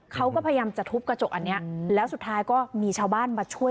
เขาก็พยายามจะทุบกระจกอันนี้แล้วสุดท้ายก็มีชาวบ้านมาช่วย